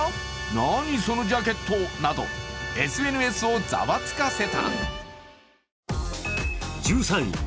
「何そのジャケット笑」などＳＮＳをざわつかせた。